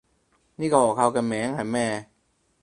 呢個學校嘅名係咩？